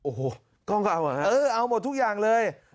โอ้โหกล้องก็เอามาครับนะฮะเออเอาหมดทุกอย่างเลย